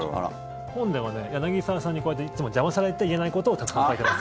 本では柳澤さんにこうやっていつも邪魔されて言えないことをたくさん書いてます。